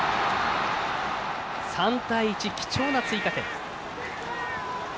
３対１、貴重な追加点。